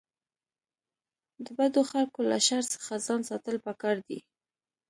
د بدو خلکو له شر څخه ځان ساتل پکار دي.